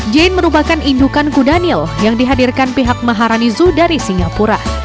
jane merupakan indukan kudanil yang dihadirkan pihak maharani zoo dari singapura